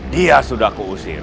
dia sudah keusir